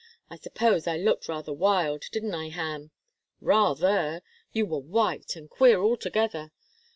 I suppose I looked rather wild, didn't I, Ham?" "Rather. You were white and queer altogether.